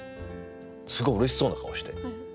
すごいうれしそうな顔して。